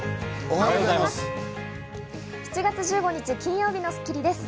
おはようございます。